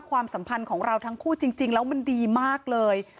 ความสัมพันธ์ของเราทั้งคู่จริงแล้วมันดีมากเลย